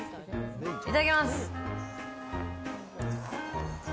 いただきます。